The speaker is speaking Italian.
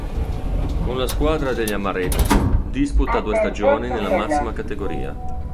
Con la squadra degli amaretti disputa due stagioni nella massima categoria.